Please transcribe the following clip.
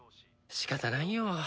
しかたないよ。